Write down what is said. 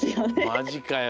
マジかよ。